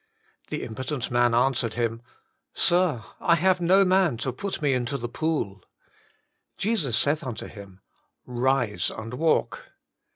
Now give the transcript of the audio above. The impotent man answered him, Sir, I have no man to pat me into the pool. Jesns saith unto him, Rise and walk.